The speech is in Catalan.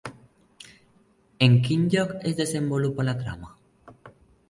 En quin lloc es desenvolupa la trama?